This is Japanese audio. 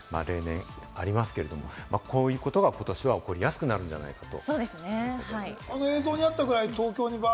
例年ありますけれども、こういうことが、ことしは起こりやすくなるんじゃないかと。